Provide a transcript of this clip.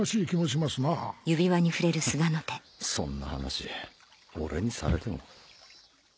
フッそんな話俺にされても。